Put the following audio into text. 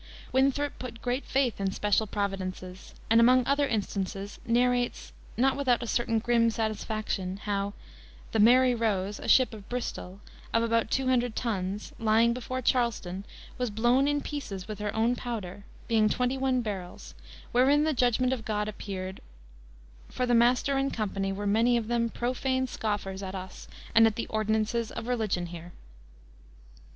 Winthrop put great faith in special providences, and among other instances narrates, not without a certain grim satisfaction, how "the Mary Rose, a ship of Bristol, of about 200 tons," lying before Charleston, was blown in pieces with her own powder, being twenty one barrels, wherein the judgment of God appeared, "for the master and company were many of them profane scoffers at us and at the ordinances of religion here."